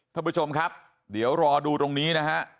ท่านผู้ชมครับเดี๋ยวรอดูตรงนี้นะฮะ